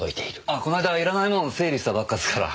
あっこの間いらないもの整理したばっかっすから。